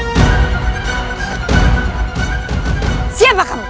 kita akan menangkan mereka